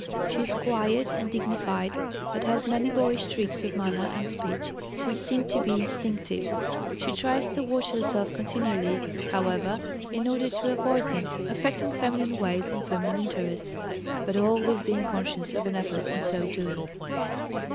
She is quiet and dignified, but has many boyish tricks of manner and speech which seem to be instinctive; she tries to watch herself continually, however, in order to avoid them, affecting feminine ways and feminine interests, but always being conscious of an effort in so doing.